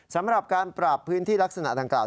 สำหรับการปราบพื้นที่ลักษณะดังกล่า